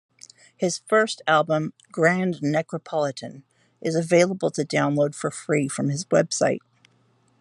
His first album, "Grand Necropolitan", is available to download for free from his website.